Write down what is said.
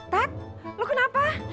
tat lo kenapa